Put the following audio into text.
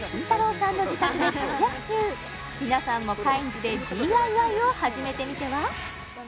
さんの自宅で活躍中皆さんもカインズでＤＩＹを始めてみては？